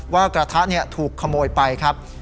กระทะถูกขโมยไปครับ